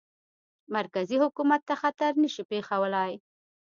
مرکزي حکومت ته خطر نه شي پېښولای.